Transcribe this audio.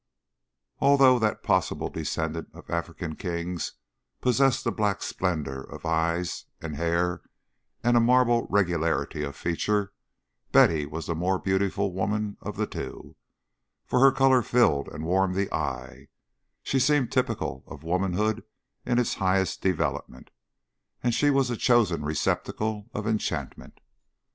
Although that possible descendant of African kings possessed the black splendour of eyes and hair and a marble regularity of feature, Betty was the more beautiful woman of the two; for her colour filled and warmed the eye, she seemed typical of womanhood in its highest development, and she was a chosen receptacle of enchantment.